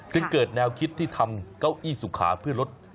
จึงเกิดแนวคิดที่ทำเก้าอี้สุขาเพื่อลด